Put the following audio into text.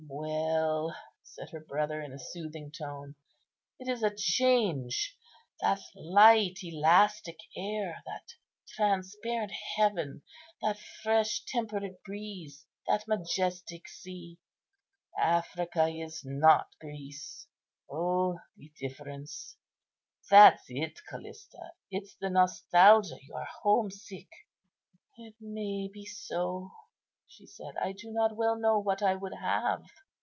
"Well," said her brother in a soothing tone, "it is a change. That light, elastic air, that transparent heaven, that fresh temperate breeze, that majestic sea! Africa is not Greece; O, the difference! That's it, Callista; it is the nostalgia; you are home sick." "It may be so," she said; "I do not well know what I would have.